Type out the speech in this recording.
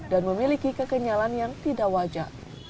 dan memiliki kekenyalan yang tidak wajar